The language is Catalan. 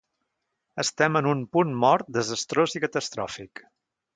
Estem en un punt mort desastrós i catastròfic.